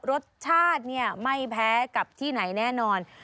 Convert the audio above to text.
รสชาติไม่แพ้กับที่ไหนแน่นอน